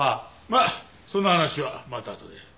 まあその話はまたあとで。